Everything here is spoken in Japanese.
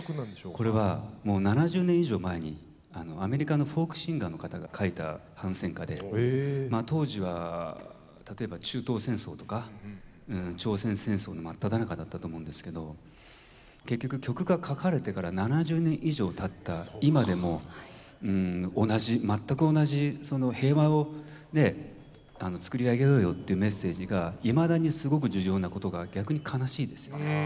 これはもう７０年以上前にアメリカのフォークシンガーの方が書いた反戦歌で当時は例えば中東戦争とか朝鮮戦争の真っただ中だったと思うんですけど結局曲が書かれてから７０年以上たった今でも同じ全く同じ平和を作り上げようよっていうメッセージがいまだにすごく重要なことが逆に悲しいですよね。